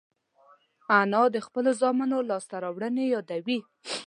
انا د خپلو زامنو لاسته راوړنې یادوي